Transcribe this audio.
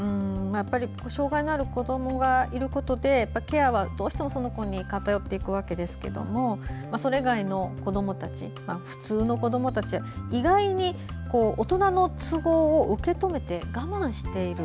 障害のある子どもがいることでケアはどうしてもその子に偏っていくわけですがそれ以外の子どもたち普通の子どもたちは意外に大人の都合を受け止めて我慢している。